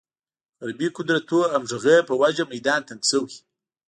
غربې قدرتونو همغږۍ په وجه میدان تنګ شوی.